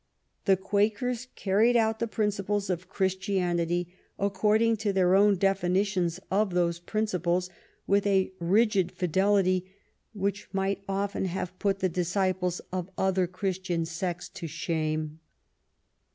The Quakers carried out the principles of Christianity, according to their own definitions of those principles, with a rigid fidelity which might often have put the disciples of other Christian sects to shame.